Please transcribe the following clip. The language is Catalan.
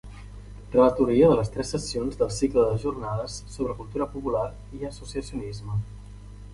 Relatoria de les tres sessions del cicle de jornades sobre cultura popular i associacionisme.